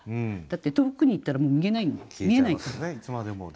だって遠くに行ったらもう見えないから。